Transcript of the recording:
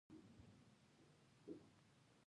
افغانستان د سیلاني ځایونو له مخې هم پېژندل کېږي.